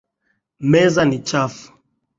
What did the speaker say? Meza ni chafu.